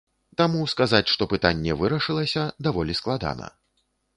Таму сказаць, што пытанне вырашылася, даволі складана.